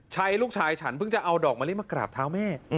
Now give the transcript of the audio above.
ลูกชายฉันเพิ่งจะเอาดอกมะลิมากราบเท้าแม่